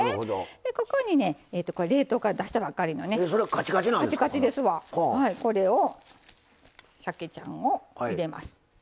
ここに冷凍から出したばかりのカチカチですわこれを、しゃけちゃんを入れます。